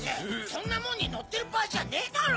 そんなもんに乗ってる場合じゃねえだろ！